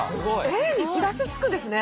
Ａにプラスつくんですね。